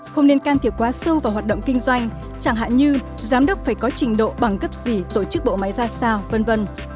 không nên can thiệp quá sâu vào hoạt động kinh doanh chẳng hạn như giám đốc phải có trình độ bằng cấp gì tổ chức bộ máy ra sao v v